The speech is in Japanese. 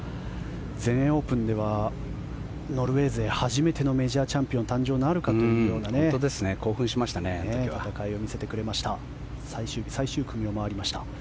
全英オープンではノルウェー勢初めてのメジャーチャンピオン誕生なるかという戦いを見せてくれました。